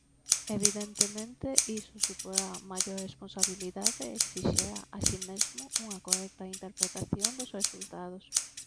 Evidentemente iso suporá maior responsabilidade e exixirá, así mesmo, unha correcta interpretación dos resultados.